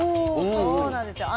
そうなんですよ。